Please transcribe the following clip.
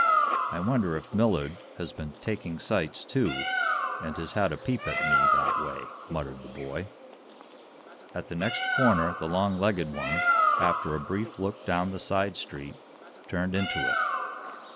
"I wonder if Millard has been taking sights, too, and has had a peep at me, that way?" muttered the boy. At the next corner the long legged one, after a brief look down the side street, turned into it.